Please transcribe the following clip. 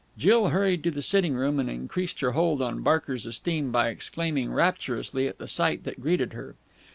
Jill hurried into the sitting room, and increased her hold on Barker's esteem by exclaiming rapturously at the sight that greeted her.